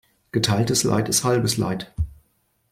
Geteiltes Leid ist halbes Leid.